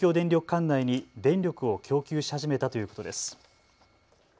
管内に電力を供給し始めたということです。